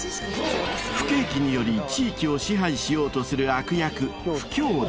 不景気により地域を支配しようとする悪役フキョーダ。